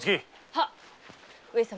はっ上様。